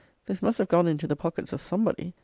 This must have gone into the pockets of somebody.